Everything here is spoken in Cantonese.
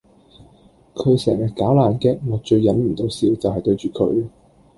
佢成日搞爛 gag 我最忍唔到笑就係對住佢